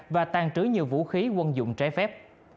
và tàn trữ nhiều vũ khí quân dụng trái phép